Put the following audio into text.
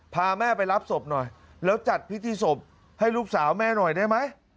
พาแม่ไปรับศพหน่อยแล้วจัดพิธีศพให้ลูกสาวแม่หน่อยได้ไหม